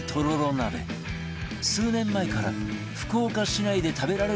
鍋数年前から福岡市内で食べられる店が増え始め